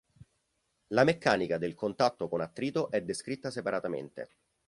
La meccanica del contatto con attrito è descritta separatamente.